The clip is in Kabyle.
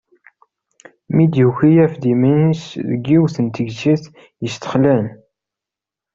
Mi d-yuki, yaf-d iman-is deg yiwet n tegzirt yestexlan.